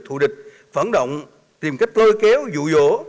thù địch phản động tìm cách lôi kéo dụ dỗ